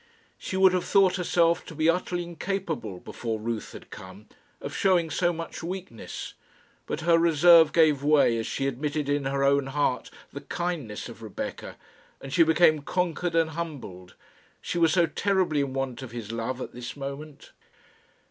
She would have thought herself to be utterly incapable, before Ruth had come, of showing so much weakness; but her reserve gave way as she admitted in her own heart the kindness of Rebecca, and she became conquered and humbled. She was so terribly in want of his love at this moment!